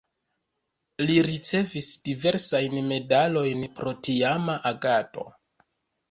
Li ricevis diversajn medalojn pro tiama agado.